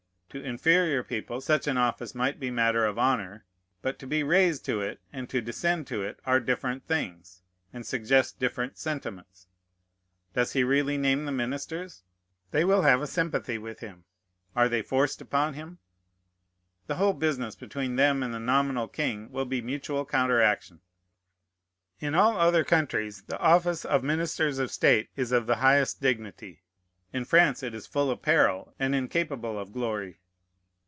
To inferior people such an office might be matter of honor. But to be raised to it and to descend to it are different things, and suggest different sentiments. Does he really name the ministers? They will have a sympathy with him. Are they forced upon him? The whole business between them and the nominal king will be mutual counteraction. In all other countries the office of ministers of state is of the highest dignity. In France it is full of peril, and incapable of glory.